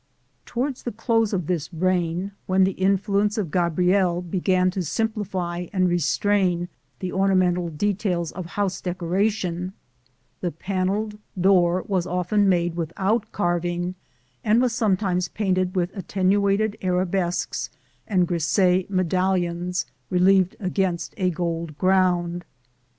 Towards the close of this reign, when the influence of Gabriel began to simplify and restrain the ornamental details of house decoration, the panelled door was often made without carving and was sometimes painted with attenuated arabesques and grisaille medallions, relieved against a gold ground.